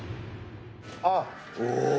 あっ。